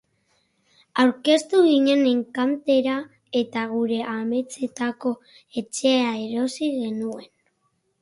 Aurkeztu ginen enkantera eta gure ametsetako etxea erosi genuen.